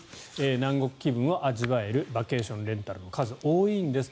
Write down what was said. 南国気分を味わるバケーションレンタルの数が多いんです。